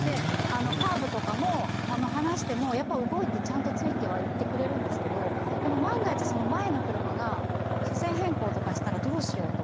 カーブとかも放してもやっぱ動いてちゃんとついてはいってくれるんですけどでも万が一前の車が車線変更とかしたらどうしようとか。